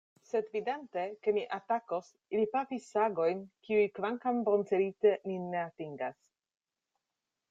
Sed vidante, ke ni atakos, ili pafis sagojn, kiuj kvankam boncelite, nin ne atingas.